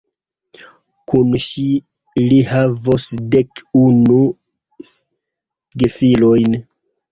Kun ŝi li havos dek unu gefilojn.